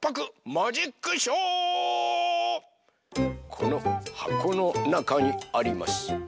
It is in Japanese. このはこのなかにあります